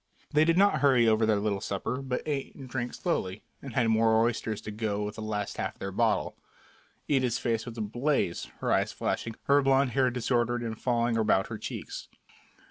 They did not hurry over their little supper, but ate and drank slowly, and had more oysters to go with the last half of their bottle. Ida's face was ablaze, her eyes flashing, her blond hair disordered and falling about her cheeks.